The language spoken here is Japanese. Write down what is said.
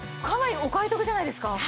かなりお買い得じゃないですか？